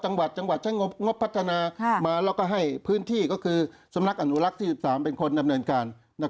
จังหวัดจังหวัดใช้งบพัฒนามาแล้วก็ให้พื้นที่ก็คือสำนักอนุรักษ์ที่๑๓เป็นคนดำเนินการ